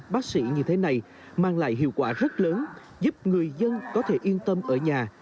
bác sĩ như thế này mang lại hiệu quả rất lớn giúp người dân có thể yên tâm ở nhà